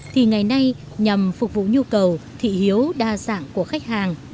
thì ngày nay nhằm phục vụ nhu cầu thị hiếu đa dạng của khách hàng